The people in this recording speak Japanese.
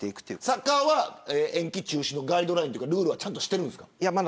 サッカーは延期中止のガイドラインちゃんとしているんですか。